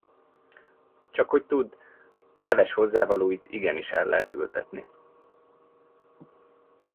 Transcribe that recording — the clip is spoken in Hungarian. Csak hogy tudd, a leves hozzávalóit igenis el lehet ültetni.